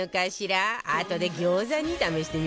あとで餃子に試してみるわよ